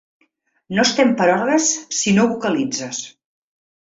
No estem per orgues si no vocalitzes.